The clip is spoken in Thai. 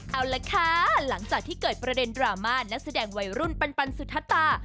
เอาละค่ะหลังจากที่เกิดประเด็นดราม่านักแสดงวัยรุ่นปันสุธตา